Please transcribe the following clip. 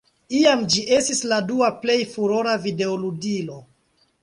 Iam ĝi estis la dua plej furora videoludilo.